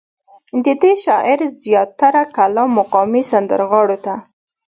ددې شاعر زيات تره کلام مقامي سندرغاړو ته